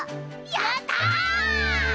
やった！